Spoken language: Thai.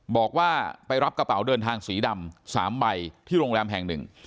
บอกว่าไปรับกระเป๋าเดินทางสีดำ๓ใบที่โรงแรมแห่งหนึ่ง